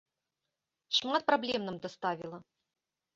Шмат праблем нам даставіла.